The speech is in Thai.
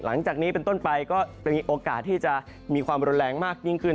หลังจากนี้เป็นต้นไปก็จะมีโอกาสที่จะมีความรุนแรงมากยิ่งขึ้น